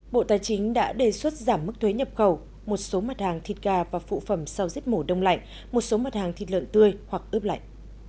bộ tài chính đã đề xuất giảm mức thuế nhập khẩu một số mặt hàng thịt gà và phụ phẩm sau giết mổ đông lạnh một số mặt hàng thịt lợn tươi hoặc ướp lạnh